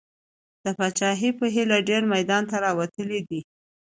د پاچاهۍ په هیله ډېر میدان ته راوتلي دي.